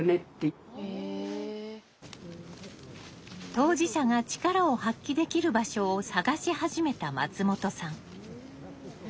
当事者が力を発揮できる場所を探し始めた松本さん。